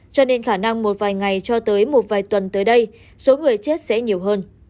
cho nên khả năng một vài ngày cho tới một vài tuần tới đây số người chết sẽ nhiều hơn